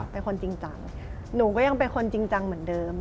เป็นคนจริงจังหนูก็ยังเป็นคนจริงจังเหมือนเดิม